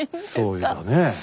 そうだねえ。